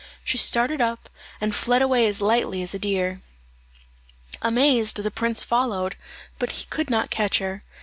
She started up, and fled away as lightly as a deer. Amazed, the prince followed, but could not catch her.